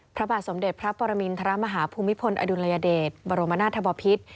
พระบาทสมเด็จพระปรมินทรมาฮาภูมิพลอดุลยเดชบรมนาธบพิษ